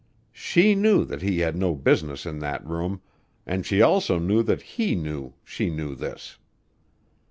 She knew that he had no business in that room, and she also knew that he knew she knew this.